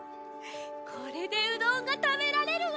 これでうどんがたべられるわ。